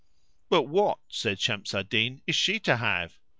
"But what," said Shams al Din, "is she to have?"